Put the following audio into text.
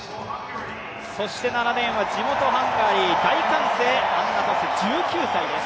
そして７レーンは地元ハンガリー、大歓声、アンナ・トス１９歳です。